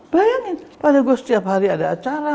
bayangin pada gue setiap hari ada acara